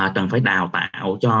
trần phái đào tạo cho